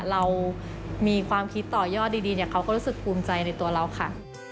เรามีความคิดต่อยอดดีเขาก็รู้สึกภูมิใจในตัวเราค่ะ